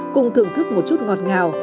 cùng thưởng thức một chút ngọt ngào